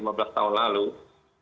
dengan metode tahun yang saat ini